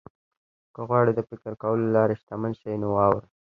که غواړئ د فکر کولو له لارې شتمن شئ نو واورئ.